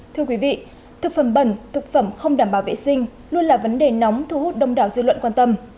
thưa quý vị thực phẩm bẩn thực phẩm không đảm bảo vệ sinh luôn là vấn đề nóng thu hút đông đảo dư luận quan tâm